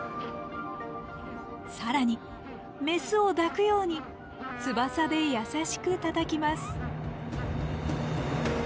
更にメスを抱くように翼で優しくたたきます。